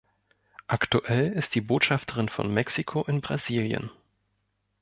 Aktuell ist sie Botschafterin von Mexiko in Brasilien.